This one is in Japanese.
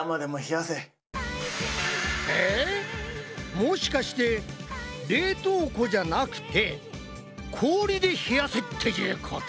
もしかして冷凍庫じゃなくて氷で冷やせっていうこと？